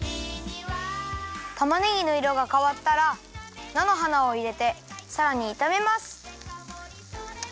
たまねぎのいろがかわったらなのはなをいれてさらにいためます。